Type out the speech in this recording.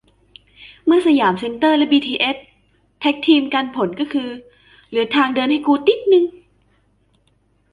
เมื่อสยามเซ็นเตอร์และบีทีเอสแท็คทีมกัน ผลก็คือ เหลือทางเดินให้กูติ๊ดนึง